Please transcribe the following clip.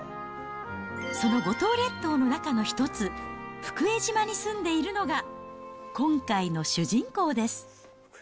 その五島列島の中の一つ、福江島に住んでいるのが、今回の主人公です。